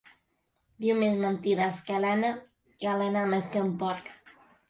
Diu més mentides que alena i alena més que un porc.